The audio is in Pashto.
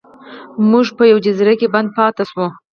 موږ په یوه جزیره کې بند پاتې شو.